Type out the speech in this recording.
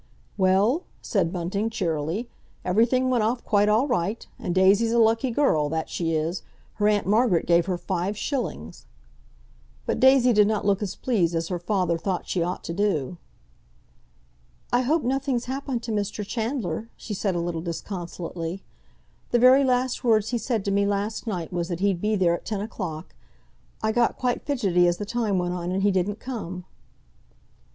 "Well?" said Bunting cheerily. "Everything went off quite all right. And Daisy's a lucky girl—that she is! Her Aunt Margaret gave her five shillings." But Daisy did not look as pleased as her father thought she ought to do. "I hope nothing's happened to Mr. Chandler," she said a little disconsolately. "The very last words he said to me last night was that he'd be there at ten o'clock. I got quite fidgety as the time went on and he didn't come."